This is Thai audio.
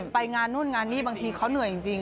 ไปงานนู่นงานนี่บางทีเขาเหนื่อยจริง